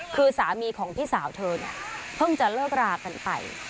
คือสามีของพี่สาวเธอเนี่ยเพิ่งจะเลิกรากันไป